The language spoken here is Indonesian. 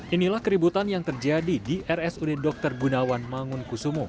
inilah keributan yang terjadi di rsud dr gunawan mangunkusumo